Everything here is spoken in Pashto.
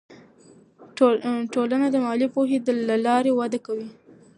ټولنه د مالي پوهې له لارې وده کوي.